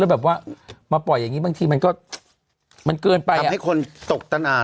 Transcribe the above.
แล้วแบบว่ามาปล่อยอย่างงี้บางทีมันก็มันเกินไปอ่ะทำให้คนตกตันอ่า